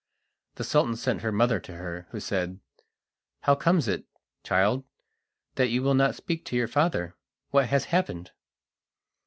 The Sultan sent her mother to her, who said: "How comes it, child, that you will not speak to your father? What has happened?"